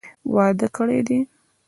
واده کړي دي.